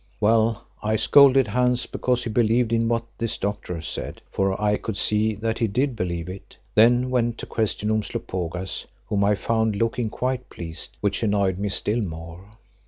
Well, I scolded Hans because he believed in what this doctor said, for I could see that he did believe it, then went to question Umslopogaas, whom I found looking quite pleased, which annoyed me still more.